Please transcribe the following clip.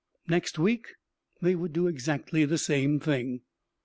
Next week they would do exactly the same thing.